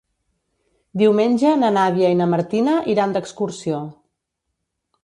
Diumenge na Nàdia i na Martina iran d'excursió.